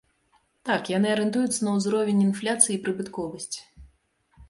Так, яны арыентуюцца на ўзровень інфляцыі і прыбытковасць.